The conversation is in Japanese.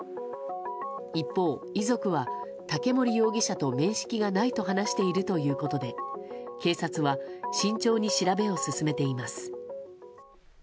一方、遺族は竹森容疑者と面識がないと話しているということで警察は慎重に調べを進めています。